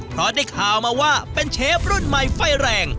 เพราะได้ข่าวมาว่าเป็นเชฟรุ่นใหม่ไฟแรง